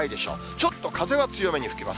ちょっと風は強めに吹きます。